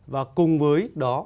và cùng với đó